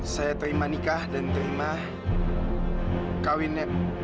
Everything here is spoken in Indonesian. saya terima nikah dan terima kawinnya